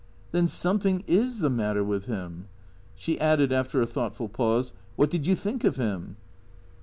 " Then something is the matter with him." She added, after a thoughtful pause, "What did you think of him?